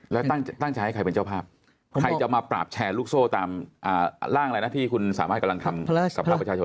แล้วตั้งใจให้ใครเป็นเจ้าภาพใครจะมาปราบแชร์ลูกโซ่ตามร่างอะไรนะที่คุณสามารถกำลังทำสำหรับประชาชน